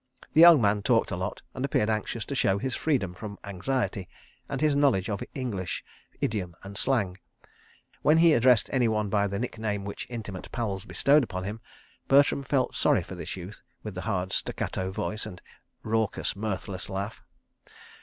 The young man talked a lot, and appeared anxious to show his freedom from anxiety, and his knowledge of English idiom and slang. When he addressed anyone by the nickname which intimate pals bestowed upon him, Bertram felt sorry for this youth with the hard staccato voice and raucous, mirthless laugh.